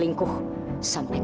kamu k reads apa ini